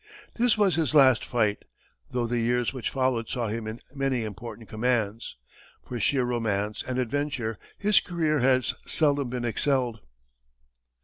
This was his last fight, though the years which followed saw him in many important commands. For sheer romance and adventure, his career has seldom been excelled.